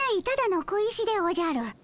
ただの小石でおじゃる。